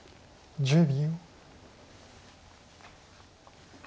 １０秒。